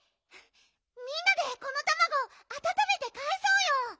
みんなでこのたまごあたためてかえそうよ。